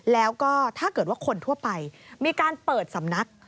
แล้วก็ถ้าเกิดว่าคนทั่วไปมีการเปิดสำนัก